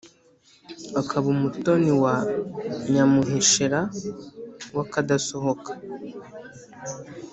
akaba umutoni wa nyamuheshera w' akadasohoka.